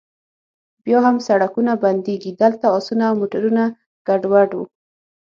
بیا هم سړکونه بندیږي، دلته اسونه او موټرونه ګډوډ و.